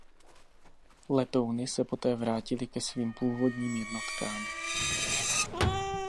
Letouny se poté vrátily ke svým původním jednotkám.